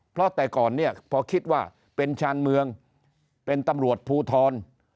เพราะแต่ก่อนเนี่ยพอคิดว่าเป็นชาญเมืองเป็นตำรวจภูทร